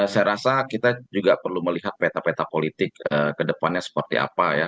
saya rasa kita juga perlu melihat peta peta politik ke depannya seperti apa ya